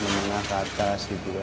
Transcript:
ke atas gitu kan